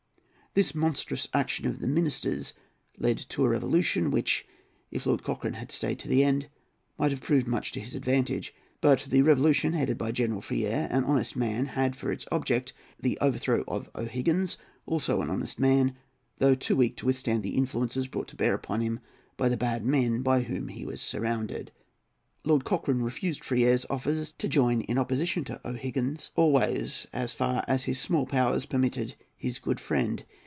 This monstrous action of the ministers led to a revolution, which, if Lord Cochrane had stayed to the end, might have proved much to his advantage. But the revolution, headed by General Freire, an honest man, had for its object the overthrow of O'Higgins, also an honest man, though too weak to withstand the influences brought to bear upon him by the bad men by whom he was surrounded. Lord Cochrane refused Freire's offers to join in opposition to O'Higgins, always, as far as his small powers permitted, his good friend.